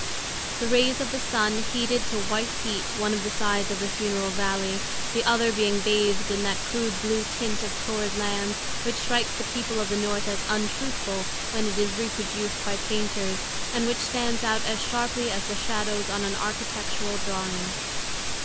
The rays of the sun heated to white heat one of the sides of the funeral valley, the other being bathed in that crude blue tint of torrid lands which strikes the people of the North as untruthful when it is reproduced by painters, and which stands out as sharply as the shadows on an architectural drawing.